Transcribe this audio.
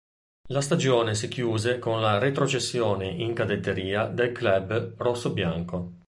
La stagione si chiuse con la retrocessione in cadetteria del club rosso-bianco.